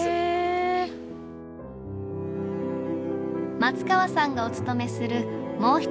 松川さんがお務めするもう一つのお寺。